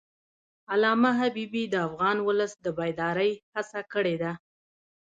علامه حبیبي د افغان ولس د بیدارۍ هڅه کړې ده.